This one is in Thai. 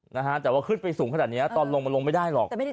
นะฮะแต่ว่าขึ้นไปสูงขนาดนี้ตอนลงมันลงไม่ได้หรอก